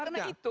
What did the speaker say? ya karena itu